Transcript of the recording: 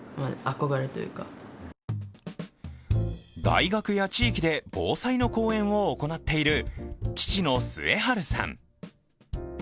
大学や地域で防災の講演を行っている父の季治さん。